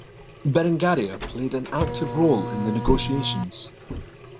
Berengaria played an active role in the negotiations.